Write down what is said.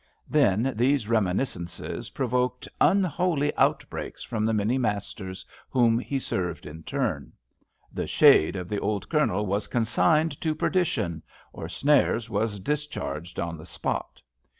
Then these reminiscences pro voked unholy outbreaks from the many masters whom he served in turn; the shade of th' old Cournel was consigned to perdition, or Snares was discharged on the spot.